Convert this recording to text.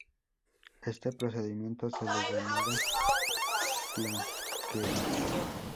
A este procedimiento se le llamada "blanqueo".